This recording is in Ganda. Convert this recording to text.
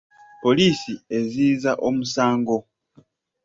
Poliisi eziyiza omusango.